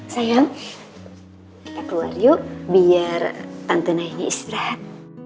sayang kita keluar yuk biar tante naya istirahat